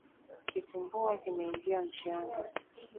Kitumbua kimeingia mchanga